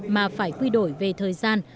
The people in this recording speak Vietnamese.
mà phải quy đổi về thời gian